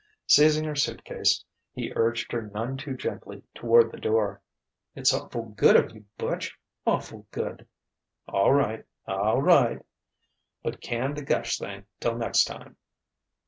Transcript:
Seizing her suit case, he urged her none too gently toward the door. "It's awful' good of you, Butch awful' good " "All right all right. But can the gush thing till next time."